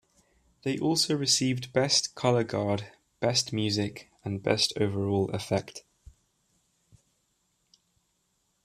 They also received best color guard, best music, and best overall effect.